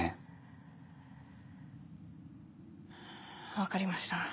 分かりました。